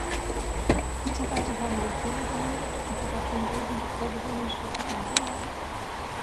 Mitarbeiter haben den Fehler gemeldet, und daraufhin wurden die vorgesehenen Schritte eingeleitet.